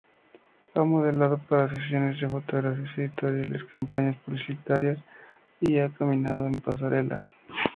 Ha modelado para sesiones de fotografías editoriales, campañas publicitarias y ha caminado en pasarelas.